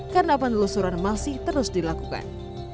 karena penelusuran masih terus dilakukan